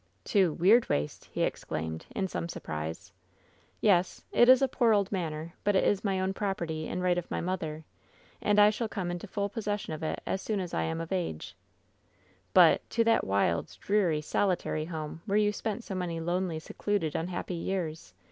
" 'To — ^Weirdwaste !' he exclaimed, in some surprise. " 'Yes. It is a poor old manor, but it is my own property in right of my mother, and I shall come into full possession of it as soon as I am of age.' " 'But — to that wild, dreary, solitary home, where you spent so many lonely, secluded, unhappy years.